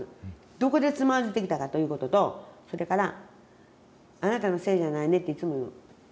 どこでつまずいてきたかということとそれから「あなたのせいじゃないね」っていつも言う。